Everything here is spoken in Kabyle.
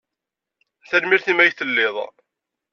Tanemmirt imi ay telliḍ.